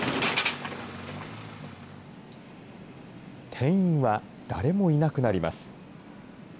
店員は誰もいなくなります。